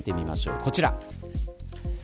こちら。